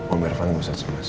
om biar faham bisa cemas